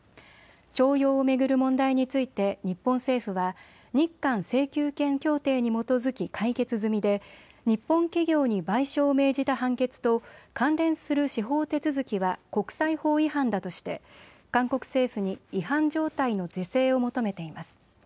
徴用を巡る問題について日本政府は日韓請求権協定に基づき解決済みで日本企業に賠償を命じた判決と関連する司法手続きは国際法違反だとして韓国政府に違反状態の是正を求めています。